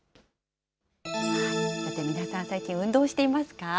さて皆さん、最近、運動していますか。